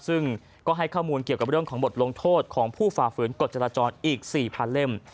ซึ่งก็ให้ข้อมูลเกี่ยวกับเรื่องของบทลงโทษของผู้ฝ่าฝืนกฎจราจรอีก๔๐๐เล่ม